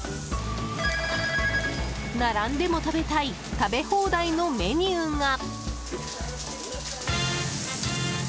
並んでも食べたい食べ放題のメニューが。